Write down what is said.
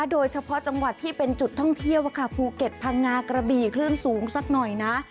โดยเฉพาะจังหวัดที่เป็นจุดท่องเที่ยวภูเก็ตพังงากระบี่คลื่นสูงสักหน่อยนะ